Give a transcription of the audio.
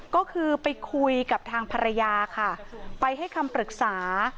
ก็คือไปคุยกับทางภรรยาค่ะไปให้คำปรึกษา